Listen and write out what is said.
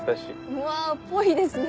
うわっぽいですね。